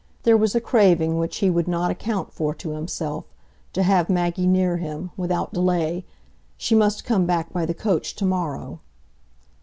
There was a craving which he would not account for to himself, to have Maggie near him, without delay,—she must come back by the coach to morrow.